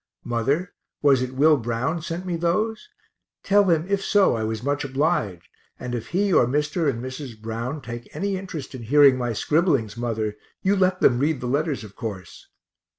Mother, was it Will Brown sent me those? Tell him if so I was much obliged; and if he or Mr. and Mrs. Brown take any interest in hearing my scribblings, mother, you let them read the letters, of course.